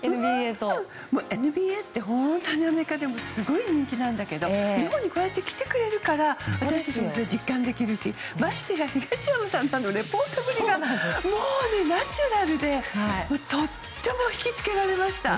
ＮＢＡって本当にアメリカでもすごい人気なんだけど日本にこうやって来てくれるから私たちも実感できるしましてや東山さんのリポートぶりがもうナチュラルでとっても引き付けられました。